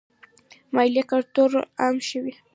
د مالیې کلتور عام شوی؟